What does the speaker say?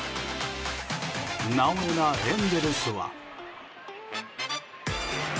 「なおエ」なエンゼルスは。